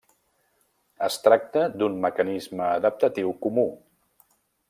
Es tracta d'un mecanisme adaptatiu comú.